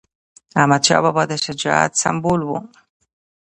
احمدشاه بابا د شجاعت سمبول و.